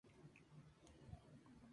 Nativo del sur de África.